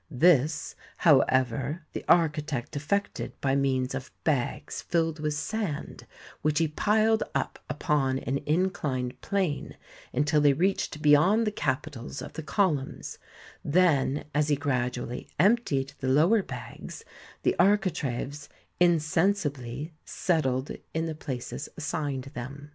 This, however, the architect effected by means of bags filled with sand, which he piled up upon an inclined plain until they reached be yond the capitals of the columns ; then as he gradually emptied the lower bags, the architraves insensibly settled in the places assigned them.